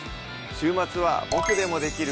週末は「ボクでもできる！